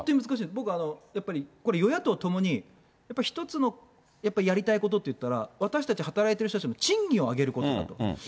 僕、やっぱりこれ与野党ともに、一つのやりたいことって言ったら、私たち働いてる人たちの賃金を上げることだと。